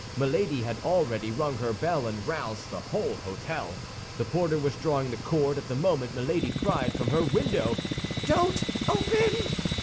Milady had already rung her bell, and roused the whole hôtel. The porter was drawing the cord at the moment Milady cried from her window, "Don't open!"